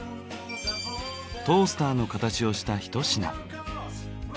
トースターの形をしたひと品。